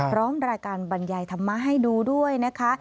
พร้อมรายการบรรยายธรรมะให้ดูด้วยนะคะ